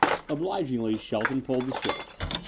Obligingly, Shelton pulled the switch.